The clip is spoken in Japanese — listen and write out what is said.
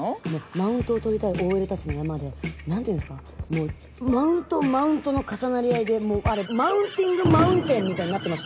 マウントを取りたいＯＬたちの山で何ていうんですかもうマウントマウントの重なり合いでもうマウンティングマウンテンみたいになってましたよ。